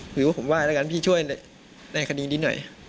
หรือว่าผมว่าแล้วกันพี่ช่วยในคดีนี้หน่อย